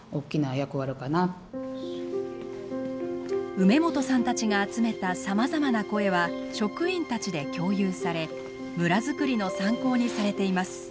梅本さんたちが集めたさまざまな声は職員たちで共有され村づくりの参考にされています。